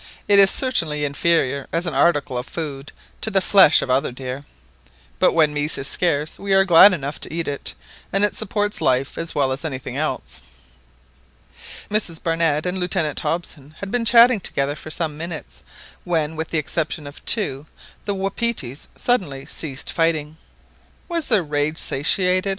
It is certainly inferior as an article of food to the flesh of other deer; but when meat is scarce we are glad enough to eat it, and it supports life as well as anything else." Mrs Barnett and Lieutenant Hobson had been chatting together for some minutes, when, with the exception of two, the wapitis suddenly ceased fighting. Was their rage satiated?